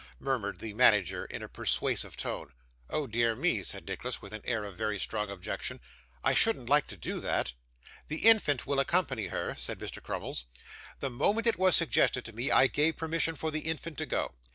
murmured the manager in a persuasive tone. 'Oh dear me,' said Nicholas, with an air of very strong objection, 'I shouldn't like to do that.' 'The infant will accompany her,' said Mr. Crummles. 'The moment it was suggested to me, I gave permission for the infant to go.